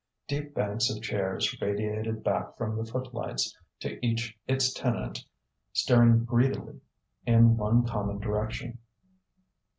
Deep banks of chairs radiated back from the footlights, to each its tenant staring greedily in one common direction.